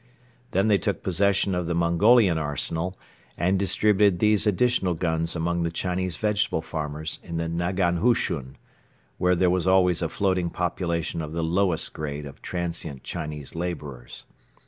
Then they took possession of the Mongolian arsenal and distributed these additional guns among the Chinese vegetable farmers in the nagan hushun, where there was always a floating population of the lowest grade of transient Chinese laborers.